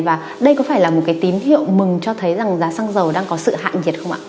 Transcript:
và đây có phải là một cái tín hiệu mừng cho thấy rằng giá xăng dầu đang có sự hạn nhiệt không ạ